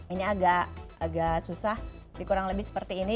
ini agak susah dikurang lebih seperti ini